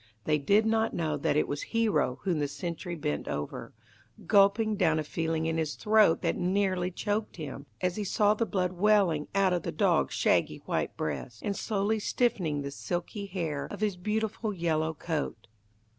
They did not know that it was Hero whom the sentry bent over, gulping down a feeling in his throat that nearly choked him, as he saw the blood welling out of the dog's shaggy white breast, and slowly stiffening the silky hair of his beautiful yellow coat.